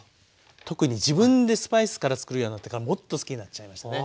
特に自分でスパイスからつくるようになってからもっと好きになっちゃいましたね。